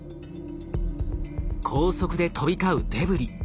高速で飛び交うデブリ。